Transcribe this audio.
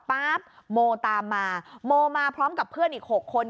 โมตามมาโมมาพร้อมกับเพื่อนอีก๖คน